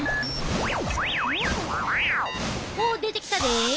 おっ出てきたで！